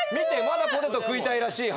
まだポテト食いたいらしい＃